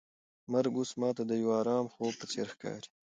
مرګ اوس ماته د یو ارام خوب په څېر ښکاري.